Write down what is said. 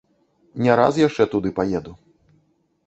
Не раз яшчэ туды паеду.